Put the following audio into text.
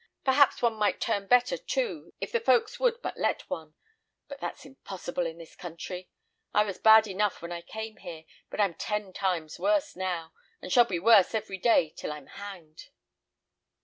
Perhaps one might turn better too, if the folks would but let one; but that's impossible in this country. I was bad enough when I came here, but I'm ten times worse now, and shall be worse every day till I'm hanged."